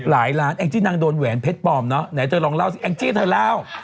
ละละแอ่งจินั่งโดนแหวนเพชรปอมเนอะไหนจะอย่าลองเล่าแอ่งจินั่งเราร้าว